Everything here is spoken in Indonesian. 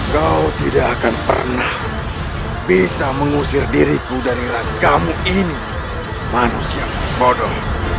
kau tidak akan pernah bisa mengusir diriku dari rakyat kamu ini manusia bodoh